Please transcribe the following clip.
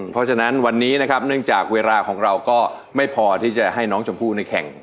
เพราะฉะนั้นวันนี้นะครับเนื่องจากเวลาของเราก็ไม่พอที่จะให้น้องชมพู่ในแข่ง